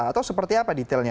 atau seperti apa detailnya